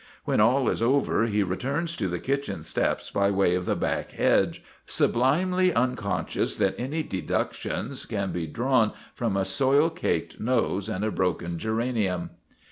When all is over he returns to the kitchen steps by way of the back hedge, sublimely unconscious that any deductions can be drawn from a soil caked nose and a broken geranium.